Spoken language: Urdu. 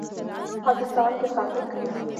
پاکستان کے سابق